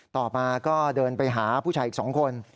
ต่อมาก็เดินไปหาผู้ชายอีก๒คน